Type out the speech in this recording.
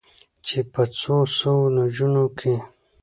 چې په څو سوو نجونو کې